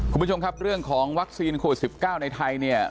คุณผู้ชมครับเรื่องของวัคซีนโควิด๑๙ในไทยเนี่ย